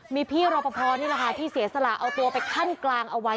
มีพี่รอปภนี่แหละค่ะที่เสียสละเอาตัวไปขั้นกลางเอาไว้